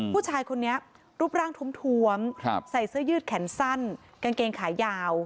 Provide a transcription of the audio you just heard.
ผู้ชายคนนี้รูปร่างทวมใส่เสื้อยืดแขนสั้นกางเกงขายาว